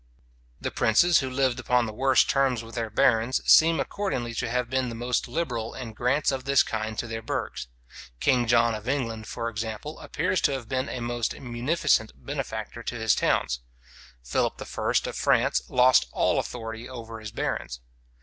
The princes who lived upon the worst terms with their barons, seem accordingly to have been the most liberal in grants of this kind to their burghs. King John of England, for example, appears to have been a most munificent benefactor to his towns. {See Madox.} Philip I. of France lost all authority over his barons.